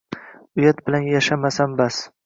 Uyat bilan yashamasam bas.